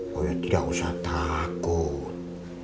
coyoya tidak usah takut